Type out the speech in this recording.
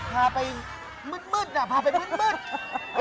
พาไปมืดพาไปมืด